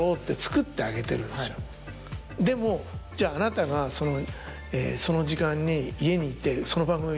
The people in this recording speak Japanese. でもじゃああなたがその時間に家にいて。